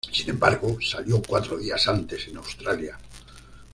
Sin embargo, salió cuatro días antes en Australia.